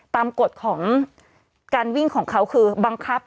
กฎของการวิ่งของเขาคือบังคับ